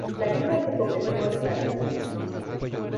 La Liga se convirtió en clandestina.